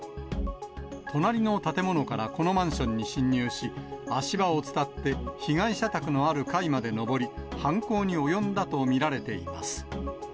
隣の建物からこのマンションに侵入し、足場を伝って被害者宅のある階まで上り、犯行に及んだと見られています。